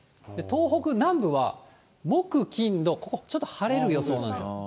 東北南部は、木、金、土、ここ、ちょっと晴れる予想なんです。